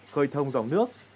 khởi thông dòng nước